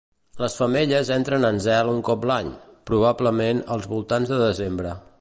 Les femelles entren en zel un cop l'any, probablement als voltants de desembre.